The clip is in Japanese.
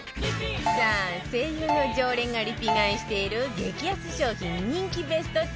さあ ＳＥＩＹＵ の常連がリピ買いしている激安商品人気ベスト１０